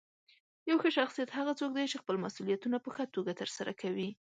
یو ښه شخصیت هغه څوک دی چې خپل مسؤلیتونه په ښه توګه ترسره کوي.